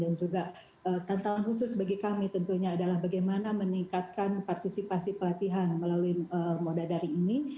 dan juga tantangan khusus bagi kami tentunya adalah bagaimana meningkatkan partisipasi pelatihan melalui moda daring ini